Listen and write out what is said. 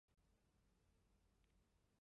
泰蒂厄人口变化图示